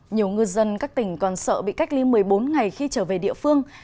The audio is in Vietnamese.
nhiều ngư dân các tỉnh còn sợ bị cách ly một mươi bốn ngày khi trở về địa phương